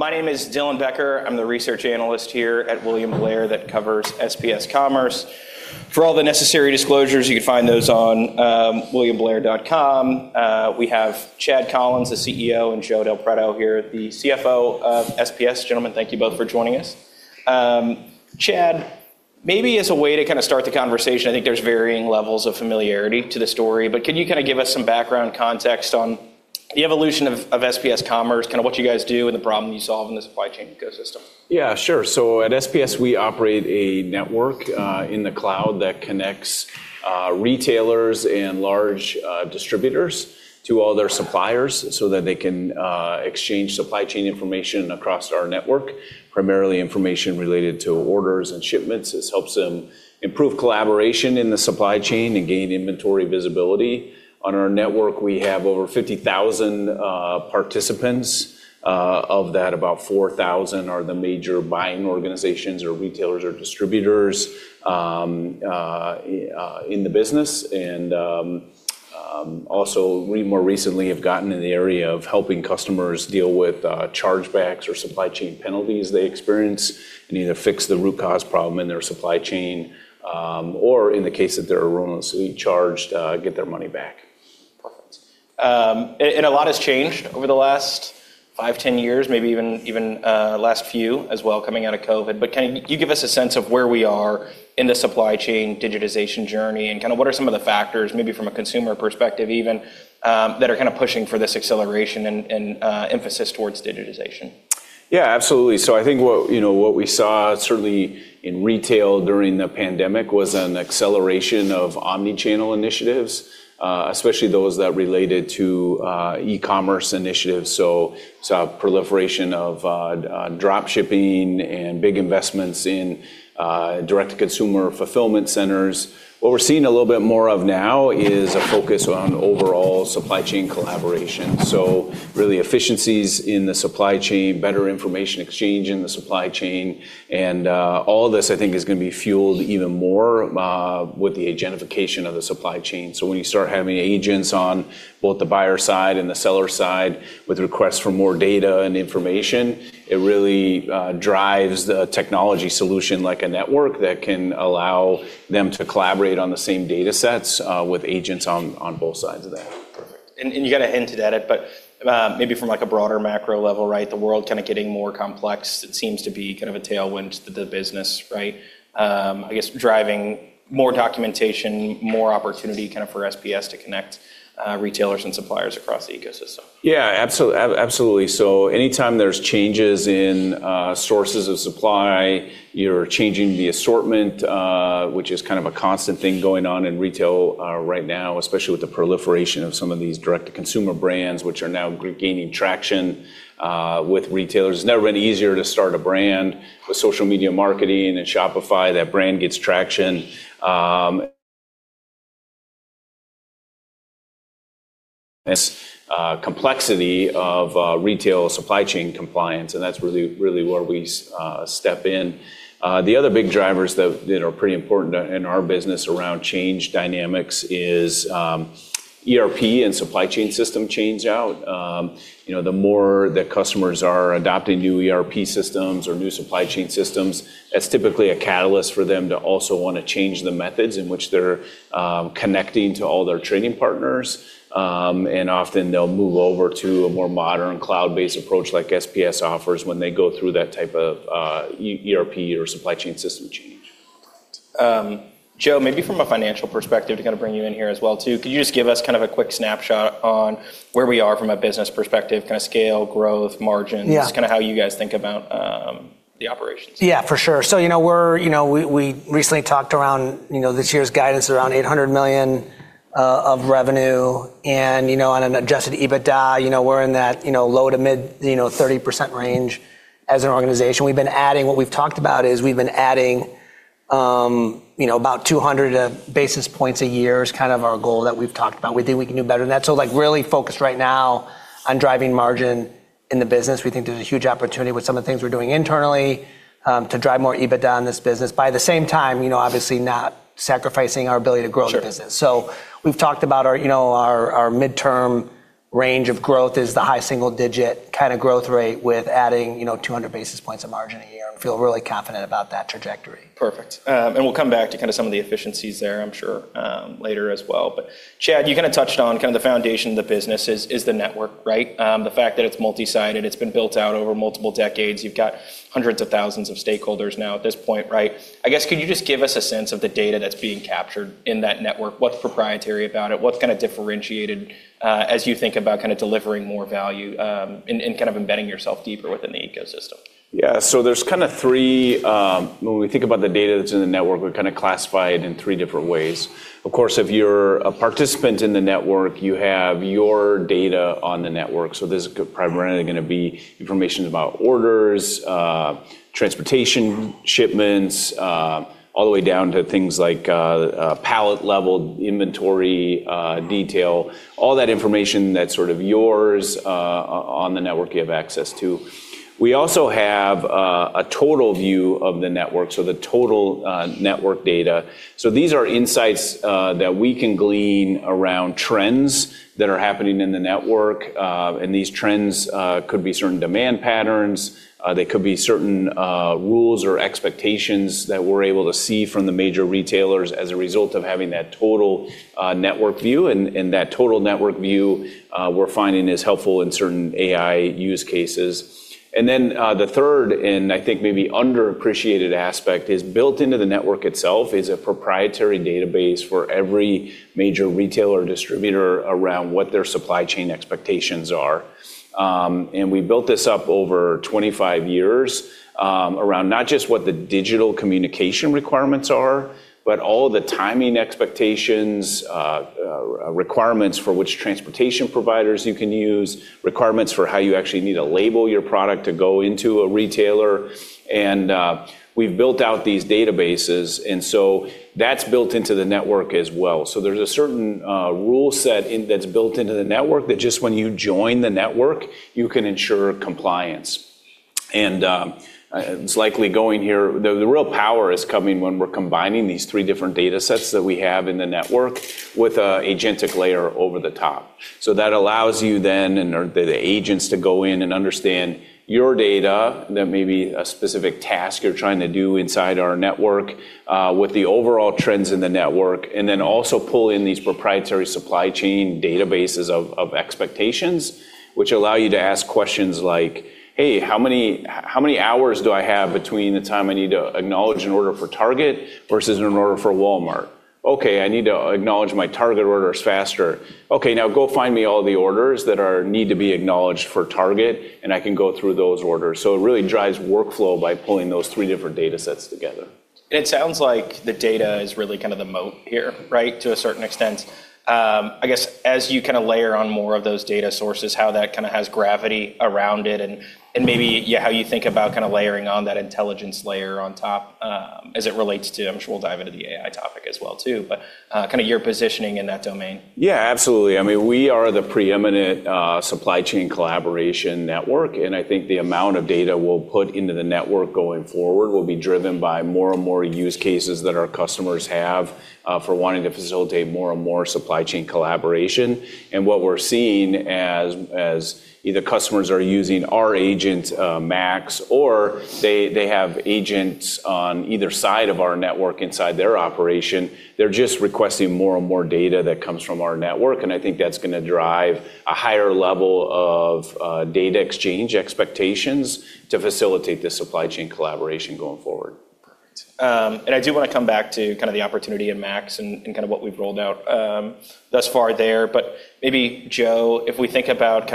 My name is Dylan Becker. I'm the Research Analyst here at William Blair that covers SPS Commerce. For all the necessary disclosures, you can find those on williamblair.com. We have Chad Collins, the CEO, and Joe Del Preto here, the CFO of SPS. Gentlemen, thank you both for joining us. Chad, maybe as a way to start the conversation, I think there's varying levels of familiarity to the story, but can you give us some background context on the evolution of SPS Commerce, what you guys do, and the problem you solve in the supply chain ecosystem? Yeah, sure. At SPS, we operate a network in the cloud that connects retailers and large distributors to all their suppliers so that they can exchange supply chain information across our network, primarily information related to orders and shipments. This helps them improve collaboration in the supply chain and gain inventory visibility. On our network, we have over 50,000 participants. Of that, about 4,000 are the major buying organizations or retailers or distributors in the business. We more recently have gotten in the area of helping customers deal with chargebacks or supply chain penalties they experience and either fix the root cause problem in their supply chain, or in the case that they're erroneously charged, get their money back. Perfect. A lot has changed over the last five, 10 years, maybe even last few as well, coming out of COVID. Can you give us a sense of where we are in the supply chain digitization journey, and what are some of the factors, maybe from a consumer perspective even, that are pushing for this acceleration and emphasis towards digitization? Yeah, absolutely. I think what we saw certainly in retail during the pandemic was an acceleration of omni-channel initiatives, especially those that related to e-commerce initiatives. A proliferation of drop shipping and big investments in direct-to-consumer fulfillment centers. What we're seeing a little bit more of now is a focus on overall supply chain collaboration. Really, efficiencies in the supply chain, better information exchange in the supply chain, and all this, I think, is going to be fueled even more with the agentification of the supply chain. When you start having agents on both the buyer side and the seller side with requests for more data and information, it really drives the technology solution like a network that can allow them to collaborate on the same data sets with agents on both sides of that. Perfect. You kind of hinted at it, but maybe from a broader macro level, the world getting more complex, it seems to be a tailwind to the business. I guess, driving more documentation, more opportunity for SPS to connect retailers and suppliers across the ecosystem. Yeah, absolutely. Anytime there's changes in sources of supply, you're changing the assortment, which is a constant thing going on in retail right now, especially with the proliferation of some of these direct-to-consumer brands, which are now gaining traction with retailers. It's never been easier to start a brand with social media marketing and Shopify. That brand gets traction. This complexity of retail supply chain compliance, and that's really where we step in. The other big drivers that are pretty important in our business around change dynamics is ERP and supply chain system change-out. The more that customers are adopting new ERP systems or new supply chain systems, that's typically a catalyst for them to also want to change the methods in which they're connecting to all their trading partners. Often they'll move over to a more modern cloud-based approach like SPS offers when they go through that type of ERP or supply chain system change. Joe, maybe from a financial perspective, to bring you in here as well too, could you just give us a quick snapshot on where we are from a business perspective, scale, growth, margins- Yeah. ...just how you guys think about the operations? Yeah, for sure. We recently talked around this year's guidance around $800 million of revenue. On an adjusted EBITDA, we're in that low to mid 30% range as an organization. What we've talked about is we've been adding about 200 basis points a year is our goal that we've talked about. We think we can do better than that. Really focused right now on driving margin in the business. We think there's a huge opportunity with some of the things we're doing internally, to drive more EBITDA in this business. By the same time, obviously not sacrificing our ability to grow the business. Sure. We've talked about our midterm range of growth is the high single-digit growth rate with adding 200 basis points of margin a year, and feel really confident about that trajectory. Perfect. We'll come back to some of the efficiencies there, I'm sure, later as well. Chad, you touched on the foundation of the business is the network. The fact that it's multi-sided, it's been built out over multiple decades. You've got hundreds of thousands of stakeholders now at this point. I guess, could you just give us a sense of the data that's being captured in that network? What's proprietary about it? What's differentiated as you think about delivering more value, and embedding yourself deeper within the ecosystem? Yeah. When we think about the data that's in the network, we're classified in three different ways. Of course, if you're a participant in the network, you have your data on the network. This is primarily going to be information about orders, transportation shipments, all the way down to things like pallet-level inventory detail. All that information that's yours on the network, you have access to. We also have a total view of the network, so the total network data. These are insights that we can glean around trends that are happening in the network. These trends could be certain demand patterns. They could be certain rules or expectations that we're able to see from the major retailers as a result of having that total network view. That total network view we're finding is helpful in certain AI use cases. Then the third, and I think maybe underappreciated aspect, is built into the network itself, is a proprietary database for every major retailer or distributor around what their supply chain expectations are. We built this up over 25 years, around not just what the digital communication requirements are, but all the timing expectations, requirements for which transportation providers you can use, requirements for how you actually need to label your product to go into a retailer. We've built out these databases, that's built into the network as well. There's a certain rule set that's built into the network that just when you join the network, you can ensure compliance. The real power is coming when we're combining these three different data sets that we have in the network with an agentic layer over the top. That allows you then, and the agents to go in and understand your data, that may be a specific task you're trying to do inside our network, with the overall trends in the network, and then also pull in these proprietary supply chain databases of expectations, which allow you to ask questions like, "Hey, how many hours do I have between the time I need to acknowledge an order for Target versus an order for Walmart?" Okay, I need to acknowledge my Target orders faster. Okay, now go find me all the orders that need to be acknowledged for Target, and I can go through those orders. It really drives workflow by pulling those three different data sets together. It sounds like the data is really the moat here, right, to a certain extent. I guess as you layer on more of those data sources, how that has gravity around it, and maybe how you think about layering on that intelligence layer on top, as it relates to, I am sure we will dive into the AI topic as well too, but your positioning in that domain. Yeah, absolutely. We are the pre-eminent supply chain collaboration network. I think the amount of data we'll put into the network going forward will be driven by more and more use cases that our customers have for wanting to facilitate more and more supply chain collaboration. What we're seeing as either customers are using our agent, MAX, or they have agents on either side of our network inside their operation, they're just requesting more and more data that comes from our network. I think that's going to drive a higher level of data exchange expectations to facilitate the supply chain collaboration going forward. Perfect. I do want to come back to the opportunity in MAX and what we've rolled out thus far there. Maybe, Joe, if we think about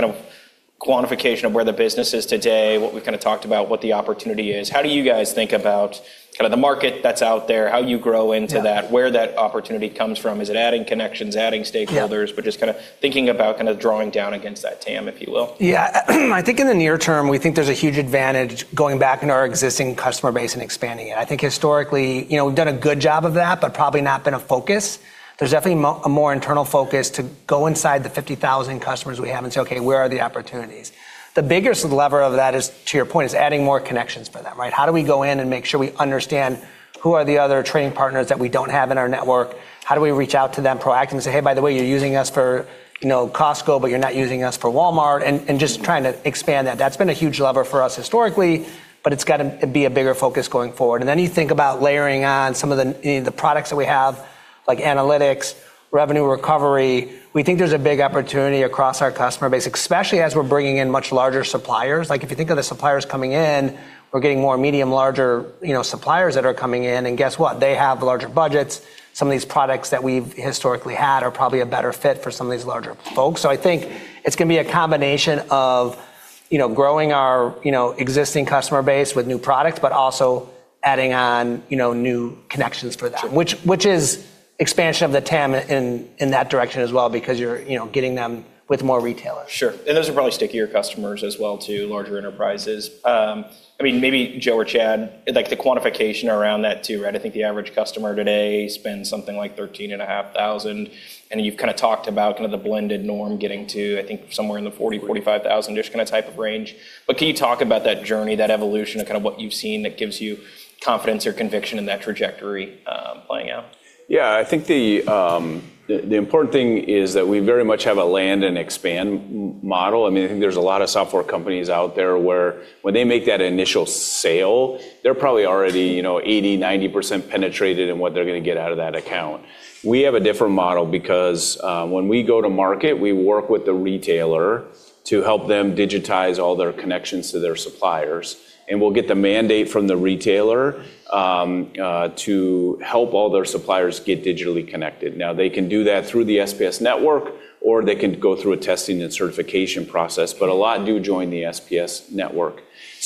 quantification of where the business is today, what we talked about, what the opportunity is. How do you guys think about the market that's out there, how you grow into that, where that opportunity comes from? Is it adding connections, adding stakeholders, just thinking about drawing down against that TAM, if you will? Yeah. I think in the near term, we think there's a huge advantage going back into our existing customer base and expanding it. I think historically, we've done a good job of that, but probably not been a focus. There's definitely a more internal focus to go inside the 50,000 customers we have and say, "Okay, where are the opportunities?" The biggest lever of that is, to your point, is adding more connections for them, right? How do we go in and make sure we understand who are the other trading partners that we don't have in our network? How do we reach out to them proactively and say, "Hey, by the way, you're using us for Costco, but you're not using us for Walmart," and just trying to expand that. That's been a huge lever for us historically, but it's got to be a bigger focus going forward. You think about layering on some of the products that we have, like Analytics, Revenue Recovery. We think there's a big opportunity across our customer base, especially as we're bringing in much larger suppliers. If you think of the suppliers coming in, we're getting more medium, larger suppliers that are coming in, and guess what? They have larger budgets. Some of these products that we've historically had are probably a better fit for some of these larger folks. I think it's going to be a combination of growing our existing customer base with new products, but also adding on new connections for that. Sure. Which is expansion of the TAM in that direction as well because you're getting them with more retailers. Sure. Those are probably stickier customers as well, too, larger enterprises. Maybe Joe or Chad, the quantification around that, too. I think the average customer today spends something like $13,500. You've talked about the blended norm getting to, I think, somewhere in the $40,000-$45,000-ish type of range. Can you talk about that journey, that evolution of what you've seen that gives you confidence or conviction in that trajectory playing out? Yeah, I think the important thing is that we very much have a land-and-expand model. I think there's a lot of software companies out there where when they make that initial sale, they're probably already 80%, 90% penetrated in what they're going to get out of that account. We have a different model because when we go to market, we work with the retailer to help them digitize all their connections to their suppliers, and we'll get the mandate from the retailer to help all their suppliers get digitally connected. Now, they can do that through the SPS network, or they can go through a testing and certification process, but a lot do join the SPS network.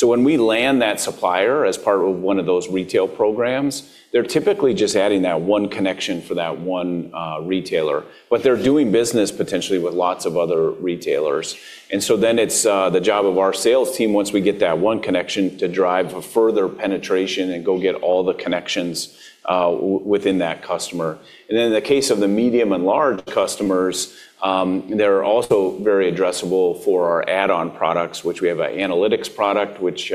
When we land that supplier as part of one of those retail programs, they're typically just adding that one connection for that one retailer, but they're doing business potentially with lots of other retailers. It's the job of our sales team, once we get that one connection, to drive further penetration and go get all the connections within that customer. In the case of the medium and large customers, they're also very addressable for our add-on products, which we have an Analytics product, which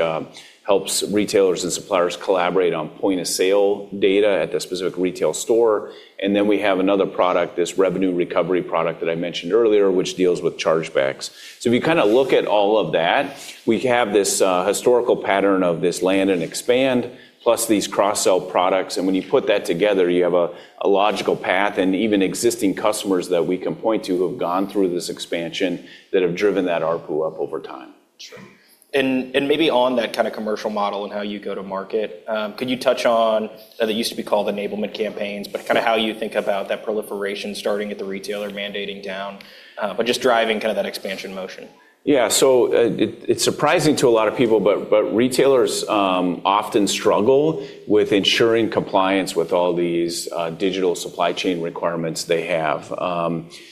helps retailers and suppliers collaborate on point-of-sale data at the specific retail store. We have another product, this Revenue Recovery product that I mentioned earlier, which deals with chargebacks. If you look at all of that, we have this historical pattern of this land and expand, plus these cross-sell products. When you put that together, you have a logical path, and even existing customers that we can point to who have gone through this expansion that have driven that ARPU up over time. Sure. Maybe on that commercial model and how you go to market, could you touch on, that used to be called enablement campaigns, but how you think about that proliferation starting at the retailer mandating down, but just driving that expansion motion? Yeah. It's surprising to a lot of people, but retailers often struggle with ensuring compliance with all these digital supply chain requirements they have.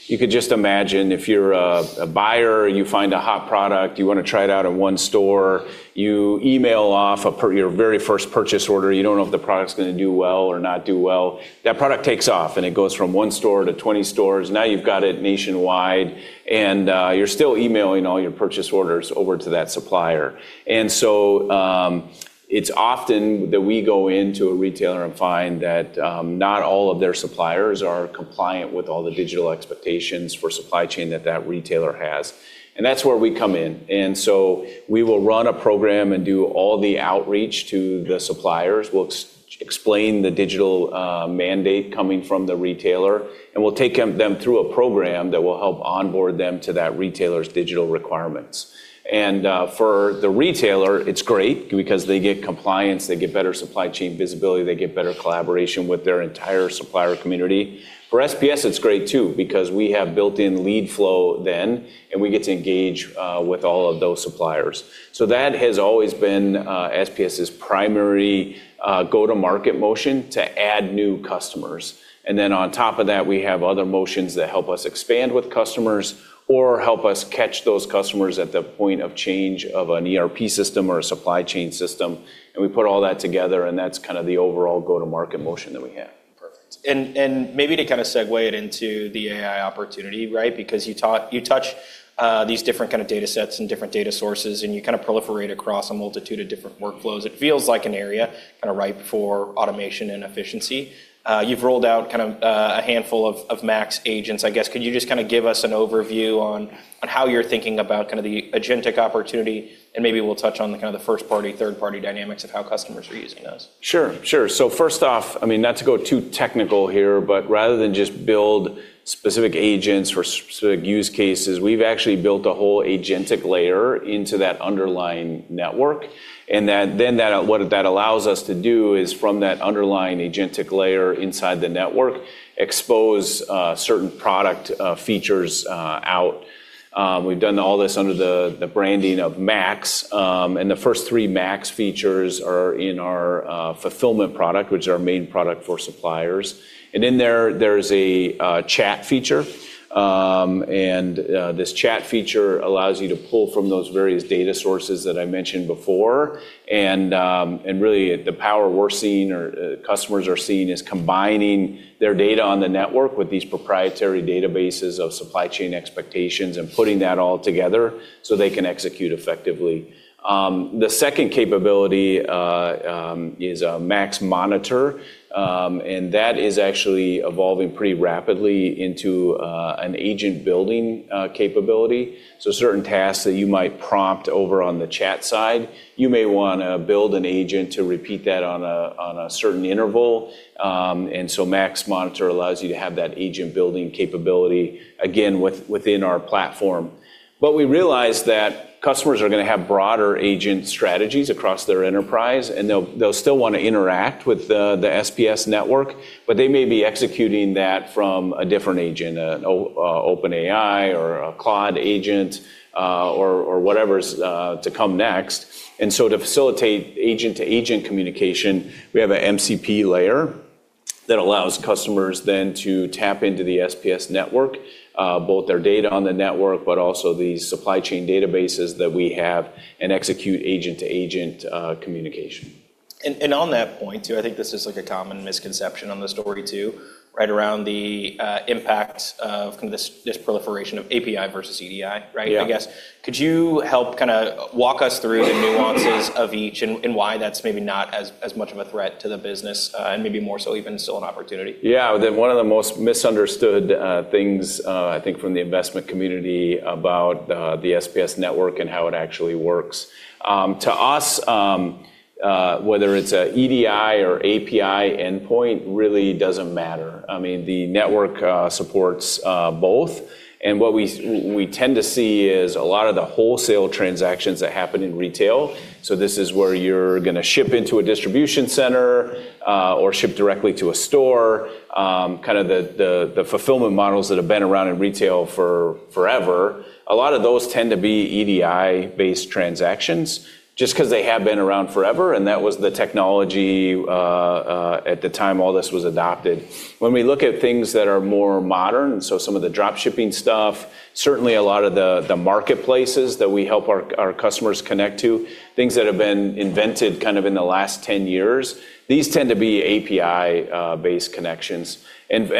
You could just imagine, if you're a buyer, you find a hot product, you want to try it out at one store, you email off your very first purchase order. You don't know if the product's going to do well or not do well. That product takes off, and it goes from one store to 20 stores. Now you've got it nationwide, and you're still emailing all your purchase orders over to that supplier. It's often that we go into a retailer and find that not all of their suppliers are compliant with all the digital expectations for supply chain that that retailer has. That's where we come in. We will run a program and do all the outreach to the suppliers. We'll explain the digital mandate coming from the retailer, and we'll take them through a program that will help onboard them to that retailer's digital requirements. For the retailer, it's great because they get compliance, they get better supply chain visibility, they get better collaboration with their entire supplier community. For SPS, it's great too, because we have built-in lead flow then, and we get to engage with all of those suppliers. That has always been SPS's primary go-to-market motion to add new customers. On top of that, we have other motions that help us expand with customers or help us catch those customers at the point of change of an ERP system or a supply chain system. We put all that together, and that's the overall go-to-market motion that we have. Perfect. Maybe to segue it into the AI opportunity, right? Because you touch these different kind of datasets and different data sources, and you proliferate across a multitude of different workflows. It feels like an area ripe for automation and efficiency. You've rolled out a handful of MAX agents, I guess. Could you just give us an overview on how you're thinking about the agentic opportunity, and maybe we'll touch on the first-party, third-party dynamics of how customers are using those. Sure. First off, not to go too technical here, but rather than just build specific agents for specific use cases, we've actually built a whole agentic layer into that underlying network. Then what that allows us to do is from that underlying agentic layer inside the network, expose certain product features out. We've done all this under the branding of MAX, and the first three MAX features are in our Fulfillment product, which is our main product for suppliers. In there's a chat feature. This chat feature allows you to pull from those various data sources that I mentioned before. Really the power we're seeing or customers are seeing is combining their data on the network with these proprietary databases of supply chain expectations and putting that all together so they can execute effectively. The second capability is MAX Monitor. That is actually evolving pretty rapidly into an agent-building capability. Certain tasks that you might prompt over on the chat side, you may want to build an agent to repeat that on a certain interval. MAX Monitor allows you to have that agent-building capability, again, within our platform. We realize that customers are going to have broader agent strategies across their enterprise, and they'll still want to interact with the SPS network, but they may be executing that from a different agent, an OpenAI or a Claude agent, or whatever's to come next. To facilitate agent-to-agent communication, we have an MCP layer that allows customers then to tap into the SPS network, both their data on the network, but also the supply chain databases that we have and execute agent-to-agent communication. On that point, too, I think this is a common misconception on the story, too, right around the impact of this proliferation of API versus EDI, right? Yeah. I guess. Could you help walk us through the nuances of each and why that's maybe not as much of a threat to the business, and maybe more so even still an opportunity? Yeah. One of the most misunderstood things, I think, from the investment community about the SPS network and how it actually works. To us, whether it's a EDI or API endpoint really doesn't matter. The network supports both. What we tend to see is a lot of the wholesale transactions that happen in retail, so this is where you're going to ship into a distribution center, or ship directly to a store. The fulfillment models that have been around in retail forever, a lot of those tend to be EDI-based transactions just because they have been around forever, and that was the technology at the time all this was adopted. When we look at things that are more modern, so some of the drop shipping stuff, certainly a lot of the marketplaces that we help our customers connect to, things that have been invented in the last 10 years, these tend to be API-based connections.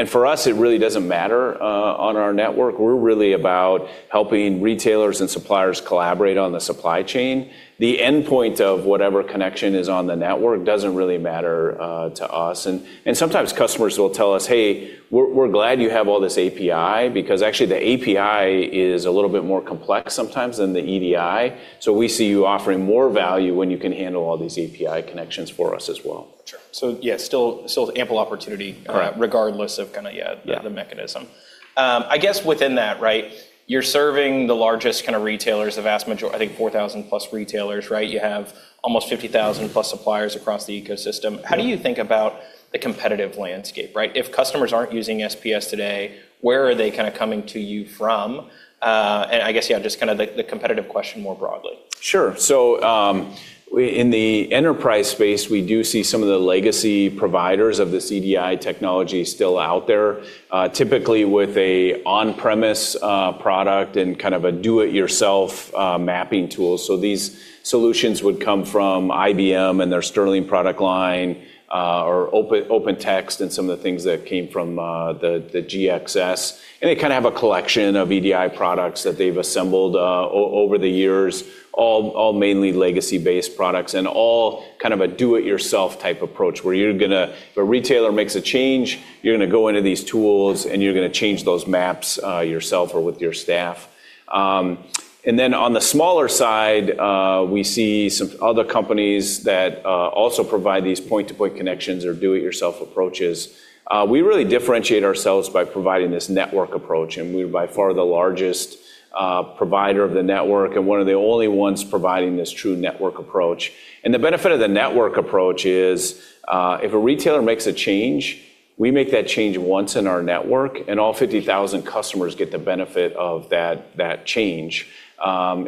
For us, it really doesn't matter on our network. We're really about helping retailers and suppliers collaborate on the supply chain. The endpoint of whatever connection is on the network doesn't really matter to us. Sometimes customers will tell us, "Hey, we're glad you have all this API, because actually the API is a little bit more complex sometimes than the EDI. We see you offering more value when you can handle all these API connections for us as well. Sure- Correct. ...regardless of the mechanism. I guess within that, you're serving the largest retailers, the vast majority, I think 4,000+ retailers. You have almost 50,000+ suppliers across the ecosystem. How do you think about the competitive landscape? If customers aren't using SPS today, where are they coming to you from? I guess, just the competitive question more broadly. Sure. In the enterprise space, we do see some of the legacy providers of the EDI technology still out there, typically with an on-premise product and a do-it-yourself mapping tool. These solutions would come from IBM and their Sterling product line, or OpenText and some of the things that came from the GXS. They have a collection of EDI products that they've assembled over the years, all mainly legacy-based products, and all a do-it-yourself type approach, where if a retailer makes a change, you're going to go into these tools, and you're going to change those maps yourself or with your staff. On the smaller side, we see some other companies that also provide these point-to-point connections or do-it-yourself approaches. We really differentiate ourselves by providing this network approach, and we're by far the largest provider of the network and one of the only ones providing this true network approach. The benefit of the network approach is, if a retailer makes a change, we make that change once in our network, and all 50,000 customers get the benefit of that change.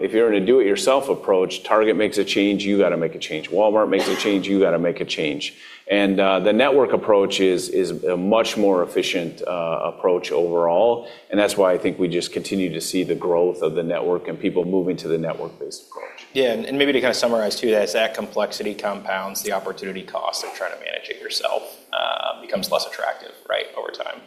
If you're in a do-it-yourself approach, Target makes a change, you got to make a change. Walmart makes a change, you got to make a change. The network approach is a much more efficient approach overall. That's why I think we just continue to see the growth of the network and people moving to the network-based approach. Yeah. Maybe to kind of summarize, too, as that complexity compounds, the opportunity cost of trying to manage it yourself becomes less attractive, right, over time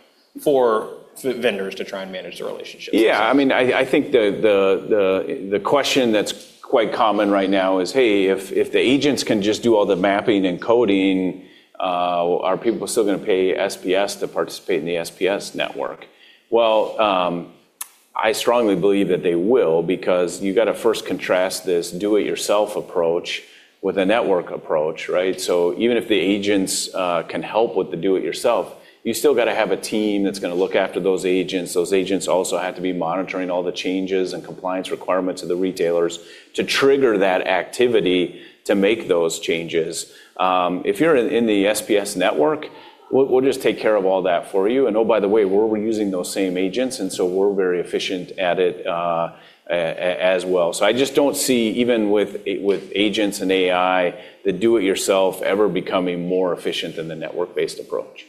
for vendors to try and manage the relationships. Yeah, I think the question that's quite common right now is, "Hey, if the agents can just do all the mapping and coding, are people still going to pay SPS to participate in the SPS network?" Well, I strongly believe that they will, because you got to first contrast this do-it-yourself approach with a network approach, right? Even if the agents can help with the do-it-yourself, you still got to have a team that's going to look after those agents. Those agents also have to be monitoring all the changes and compliance requirements of the retailers to trigger that activity to make those changes. If you're in the SPS network, we'll just take care of all that for you. Oh, by the way, we're using those same agents, and so we're very efficient at it, as well. I just don't see, even with agents and AI, the do-it-yourself ever becoming more efficient than the network-based approach.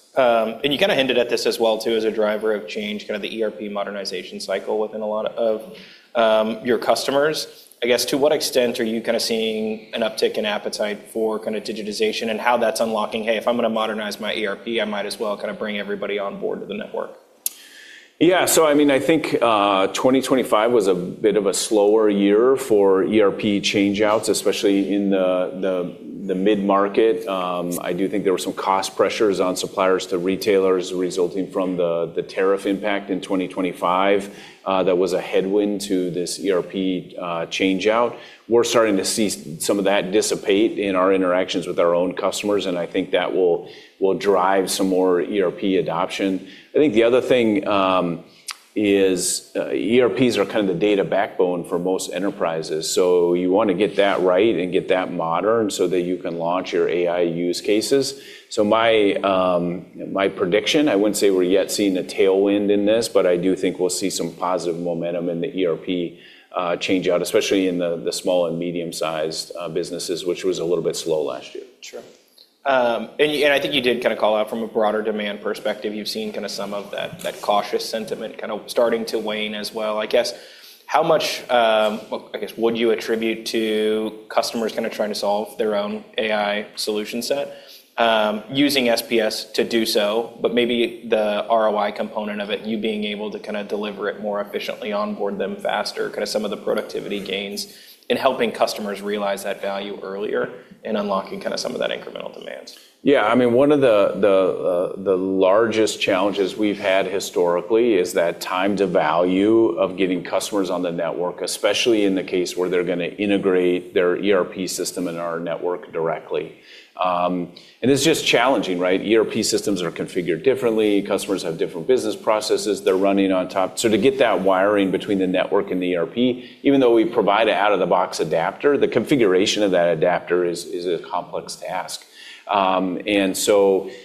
Perfect. You kind of hinted at this as well, too, as a driver of change, kind of the ERP modernization cycle within a lot of your customers. I guess, to what extent are you kind of seeing an uptick in appetite for kind of digitization and how that's unlocking, "Hey, if I'm going to modernize my ERP, I might as well kind of bring everybody on board to the network"? Yeah. I think 2025 was a bit of a slower year for ERP change-outs, especially in the mid-market. I do think there were some cost pressures on suppliers to retailers resulting from the tariff impact in 2025. That was a headwind to this ERP change-out. We're starting to see some of that dissipate in our interactions with our own customers, and I think that will drive some more ERP adoption. I think the other thing is ERPs are kind of the data backbone for most enterprises, so you want to get that right and get that modern so that you can launch your AI use cases. My prediction, I wouldn't say we're yet seeing a tailwind in this, but I do think we'll see some positive momentum in the ERP change-out, especially in the small and medium-sized businesses, which was a little bit slow last year. Sure. I think you did kind of call out from a broader demand perspective, you've seen some of that cautious sentiment kind of starting to wane as well. I guess, how much would you attribute to customers kind of trying to solve their own AI solution set using SPS to do so, but maybe the ROI component of it, you being able to kind of deliver it more efficiently, onboard them faster, kind of some of the productivity gains in helping customers realize that value earlier and unlocking some of that incremental demand? Yeah, one of the largest challenges we've had historically is that time to value of getting customers on the network, especially in the case where they're going to integrate their ERP system in our network directly. It's just challenging, right? ERP systems are configured differently. Customers have different business processes they're running on top. To get that wiring between the network and the ERP, even though we provide an out-of-the-box adapter, the configuration of that adapter is a complex task.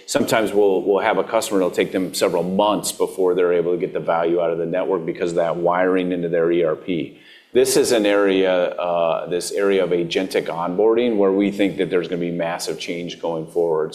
Sometimes we'll have a customer, and it'll take them several months before they're able to get the value out of the network because of that wiring into their ERP. This is an area, this area of agentic onboarding, where we think that there's going to be massive change going forward.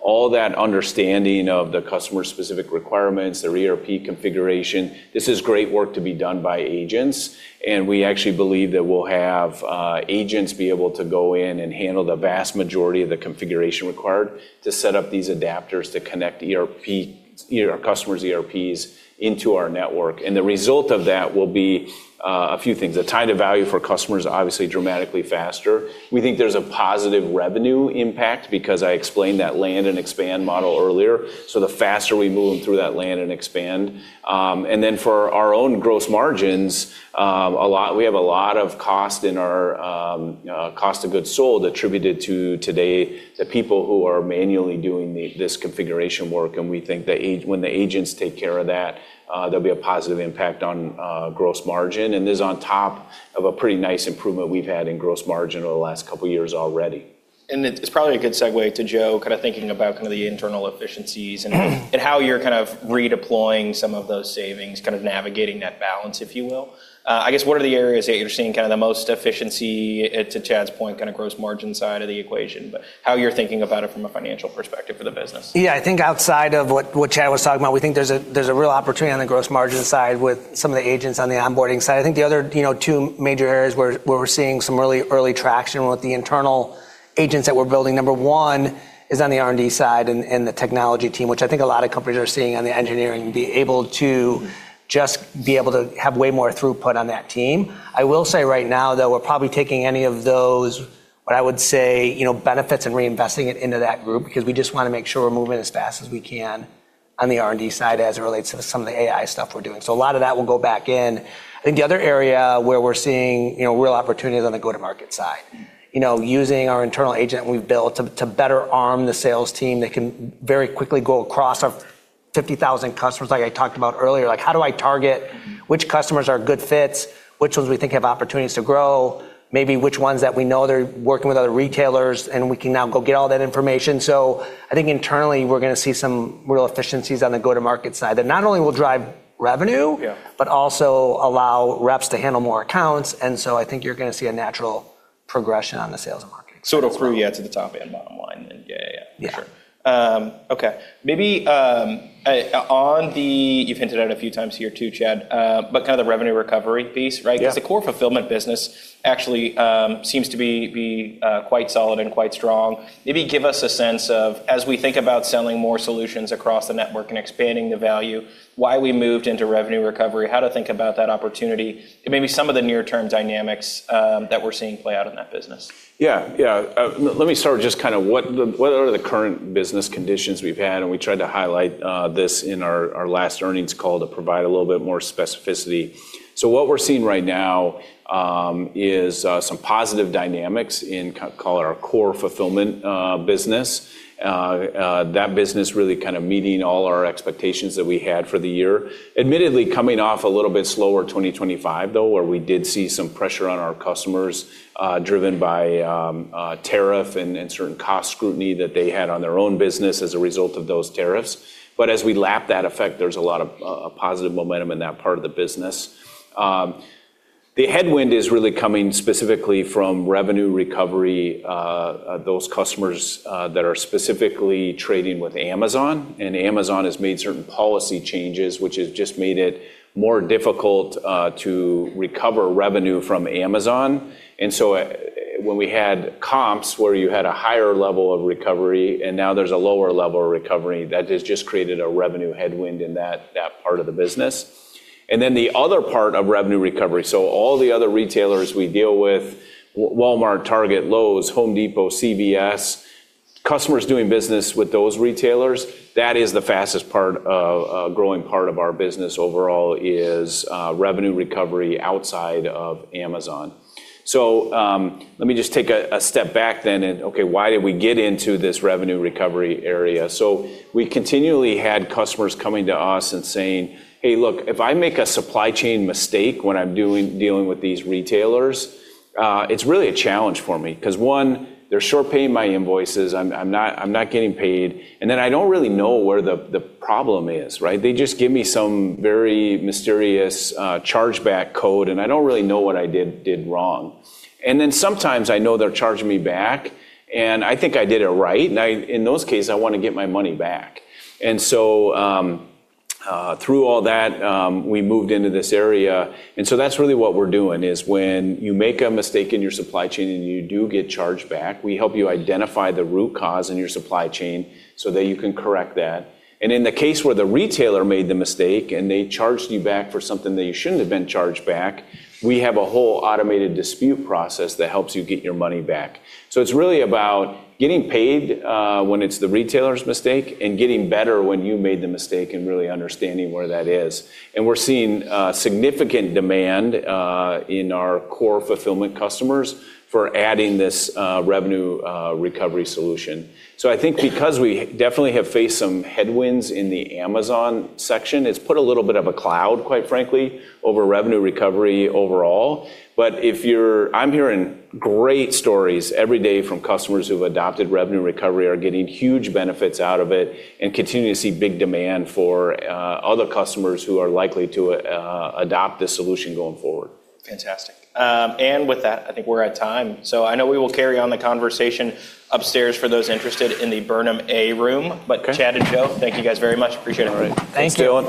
All that understanding of the customer-specific requirements, their ERP configuration, this is great work to be done by agents, and we actually believe that we'll have agents be able to go in and handle the vast majority of the configuration required to set up these adapters to connect our customers' ERPs into our network. The result of that will be a few things, the time to value for customers, obviously, dramatically faster. We think there's a positive revenue impact because I explained that land and expand model earlier, so the faster we move them through that land and expand. For our own gross margins, we have a lot of cost in our cost of goods sold attributed to, today, the people who are manually doing this configuration work, and we think that when the agents take care of that, there'll be a positive impact on gross margin, and is on top of a pretty nice improvement we've had in gross margin over the last couple of years already. It's probably a good segue to Joe, kind of thinking about the internal efficiencies and how you're kind of redeploying some of those savings, kind of navigating that balance, if you will. I guess, what are the areas that you're seeing the most efficiency, to Chad's point, kind of gross margin side of the equation, but how you're thinking about it from a financial perspective for the business? Yeah, I think outside of what Chad was talking about, we think there's a real opportunity on the gross margin side with some of the agents on the onboarding side. I think the other two major areas where we're seeing some really early traction with the internal agents that we're building, number one is on the R&D side and the technology team, which I think a lot of companies are seeing on the engineering, be able to just have way more throughput on that team. I will say right now, though, we're probably taking any of those, what I would say, benefits and reinvesting it into that group because we just want to make sure we're moving as fast as we can on the R&D side as it relates to some of the AI stuff we're doing. A lot of that will go back in. I think the other area where we're seeing real opportunity is on the go-to-market side. Using our internal agent we've built to better arm the sales team that can very quickly go across 50,000 customers like I talked about earlier. How do I target which customers are good fits? Which ones we think have opportunities to grow? Maybe which ones that we know they're working with other retailers, and we can now go get all that information. I think internally, we're going to see some real efficiencies on the go-to-market side that not only will drive revenue- Yeah. ...but also allow reps to handle more accounts. I think you're going to see a natural progression on the sales and marketing side. To the top and bottom line then. Yeah. For sure. Yeah. Okay. Maybe You've hinted at it a few times here too, Chad, but kind of the Revenue Recovery piece, right? Yeah. The core Fulfillment business actually seems to be quite solid and quite strong. Maybe give us a sense of, as we think about selling more solutions across the network and expanding the value, why we moved into Revenue Recovery, how to think about that opportunity, and maybe some of the near-term dynamics that we're seeing play out in that business? Let me start with just kind of what are the current business conditions we've had, and we tried to highlight this in our last earnings call to provide a little bit more specificity. What we're seeing right now is some positive dynamics in, call it, our core Fulfillment business. That business really kind of meeting all our expectations that we had for the year. Admittedly, coming off a little bit slower 2025, though, where we did see some pressure on our customers, driven by tariff and certain cost scrutiny that they had on their own business as a result of those tariffs. As we lap that effect, there's a lot of positive momentum in that part of the business. The headwind is really coming specifically from Revenue Recovery, those customers that are specifically trading with Amazon has made certain policy changes, which has just made it more difficult to recover revenue from Amazon. When we had comps where you had a higher level of recovery and now there's a lower level of recovery, that has just created a revenue headwind in that part of the business. The other part of Revenue Recovery, all the other retailers we deal with, Walmart, Target, Lowe's, Home Depot, CVS. Customers doing business with those retailers, that is the fastest part, growing part of our business overall is Revenue Recovery outside of Amazon. Let me just take a step back then, and okay, why did we get into this Revenue Recovery area? We continually had customers coming to us and saying, "Hey, look, if I make a supply chain mistake when I'm dealing with these retailers, it's really a challenge for me because one, they're short paying my invoices. I'm not getting paid, and then I don't really know where the problem is, right? They just give me some very mysterious chargeback code, and I don't really know what I did wrong. Sometimes I know they're charging me back, and I think I did it right. In those cases, I want to get my money back." Through all that, we moved into this area, and so that's really what we're doing, is when you make a mistake in your supply chain and you do get charged back, we help you identify the root cause in your supply chain so that you can correct that. In the case where the retailer made the mistake and they charged you back for something that you shouldn't have been charged back, we have a whole automated dispute process that helps you get your money back. It's really about getting paid when it's the retailer's mistake and getting better when you made the mistake and really understanding where that is. We're seeing significant demand in our core Fulfillment customers for adding this Revenue Recovery solution. I think because we definitely have faced some headwinds in the Amazon section, it's put a little bit of a cloud, quite frankly, over Revenue Recovery overall. I'm hearing great stories every day from customers who've adopted Revenue Recovery, are getting huge benefits out of it, and continue to see big demand for other customers who are likely to adopt this solution going forward. Fantastic. With that, I think we're at time. I know we will carry on the conversation upstairs for those interested in the Burnham A room. Okay. Chad and Joe, thank you guys very much. Appreciate it. All right. Thank you. Thanks, Dylan.